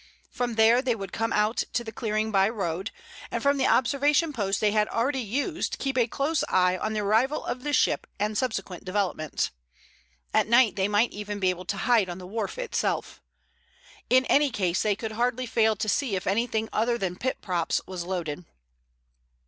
From there they would come out to the clearing by road, and from the observation post they had already used keep a close eye on the arrival of the ship and subsequent developments. At night they might be even able to hide on the wharf itself. In any case they could hardly fail to see if anything other than pit props was loaded.